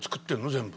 全部。